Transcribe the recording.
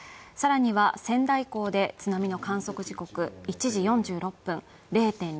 さらには、仙台港で津波の観測時刻１時４６分０．２ｍ。